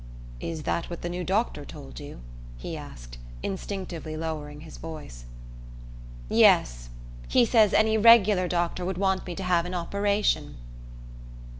"Is that what the new doctor told you?" he asked, instinctively lowering his voice. "Yes. He says any regular doctor would want me to have an operation."